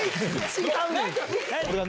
違うねん。